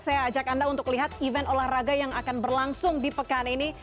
saya ajak anda untuk lihat event olahraga yang akan berlangsung di pekan ini